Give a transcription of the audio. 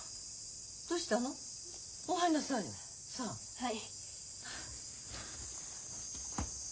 はい。